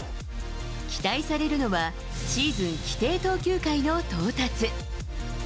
期待されるのは、シーズン規定投球回の到達。